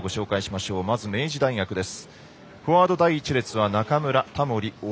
まず、明治大学です。